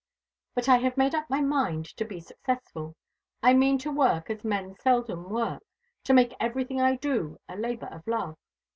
But I have made up my mind to be successful. I mean to work as men seldom work to make everything I do a labour of love.